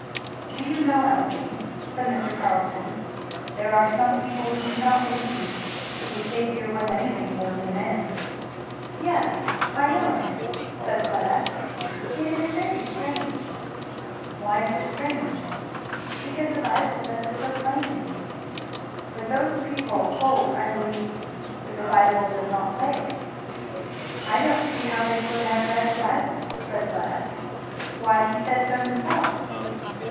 "Do you know, Elfie," said Mr. Carleton, "there are some people who do not believe that the Saviour was anything more than a man?" "Yes I know it," said Fleda; "it is very strange!" "Why is it strange?" "Because the Bible says it so plainly." "But those people hold I believe that the Bible does not say it?" "I don't see how they could have read the Bible," said Fleda. "Why he said so himself."